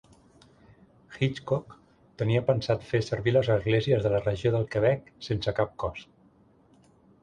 Hitchcock tenia pensat fer servir les esglésies de la regió del Quebec sense cap cost.